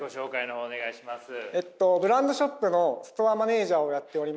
ブランドショップのストアマネージャーをやっております